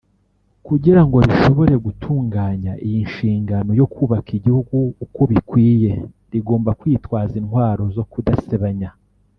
Kugira ngo rishobore gutunganya iyi nshingano yo kubaka igihugu uko bikwiye rigomba kwitwaza intwaro zo kudasebanya